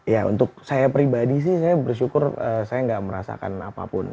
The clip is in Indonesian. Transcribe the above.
ya untuk saya pribadi sih saya bersyukur saya nggak merasakan apapun